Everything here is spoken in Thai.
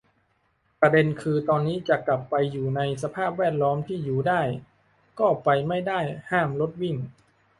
ประเด็นคือ ตอนนี้จะกลับไปอยู่ในสภาพแวดล้อมที่อยู่ได้ ก็ไปไม่ได้ ห้ามรถวิ่ง